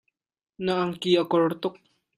Na angki a kor tuk.